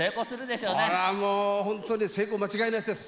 そらもう本当に成功間違いなしです。